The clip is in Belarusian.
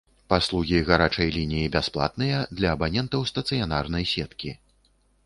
Паслугі гарачай лініі бясплатныя для абанентаў стацыянарнай сеткі.